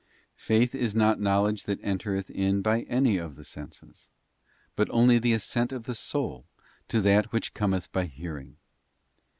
'* Faith is not knowledge that entereth in by any of the senses, but only the assent of the soul to that which cometh by hearing.